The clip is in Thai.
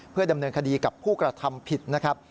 เพื่อดำเนินคดีกับผู้กระทำผิดนะครับ